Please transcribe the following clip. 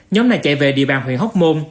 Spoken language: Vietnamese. nhóm này chạy về địa bàn huyện hóc môn